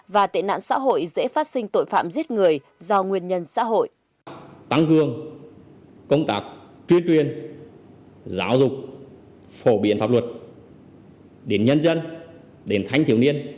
và tệ nạn xã hội dễ phát sinh tội phạm giết người do nguyên nhân xã hội